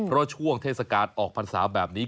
เพราะช่วงเทศกาลออกพรรษาแบบนี้